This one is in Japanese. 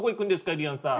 ゆりやんさん。